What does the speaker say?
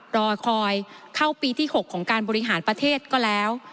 รอคอยเข้าปีที่๖ของการบริหารประเทศก็แล้ว